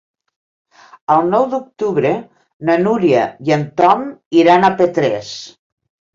El nou d'octubre na Núria i en Tom iran a Petrés.